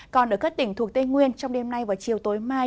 còn ở các tỉnh thuộc tây nguyên trong đêm nay và chiều tối mai